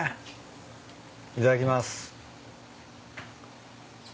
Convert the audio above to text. いただきます。